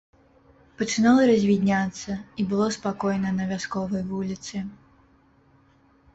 Пачынала развідняцца, і было спакойна на вясковай вуліцы.